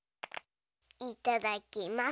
いただきます。